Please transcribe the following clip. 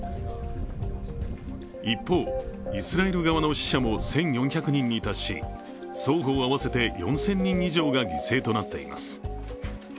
一方、イスラエル側の死者も１４００人に達し、双方合わせて４０００人以上が犠牲となっています